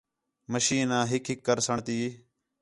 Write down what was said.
مشین آ ہِک ہِک کرسݨ تی